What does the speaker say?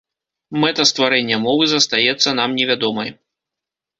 Мэта стварэння мовы застаецца нам невядомай.